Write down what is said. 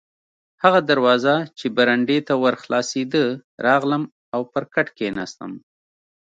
هغه دروازه چې برنډې ته ور خلاصېده، راغلم او پر کټ کښېناستم.